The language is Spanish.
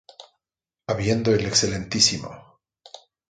Habiendo el Excmo.